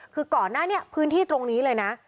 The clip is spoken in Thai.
คือก่อนหน้านี้พื้นที่ตรงนี้เลยนะ